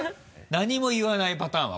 何も言わないパターンは？